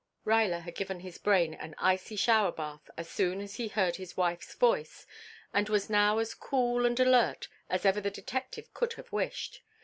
Ruyler had given his brain an icy shower bath as soon as he heard his wife's voice, and was now as cool and alert as even the detective could have wished.